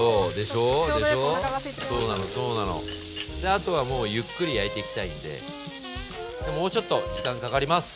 あとはもうゆっくり焼いていきたいんでもうちょっと時間かかります。